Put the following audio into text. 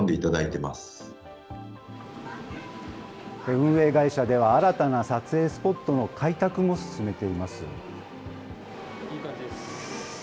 運営会社では新たな撮影スポットの開拓も進めています。